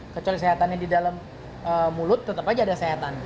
kecuali sayatannya di dalam mulut tetap aja ada sayatan